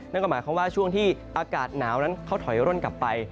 นั่นก็หมายความว่าช่วงที่อากาศหนาวนั้นเขาถอยร่นกลับไป